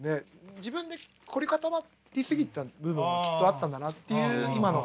自分で凝り固まり過ぎた部分もきっとあったんだなっていう今の話。